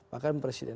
pak krim presiden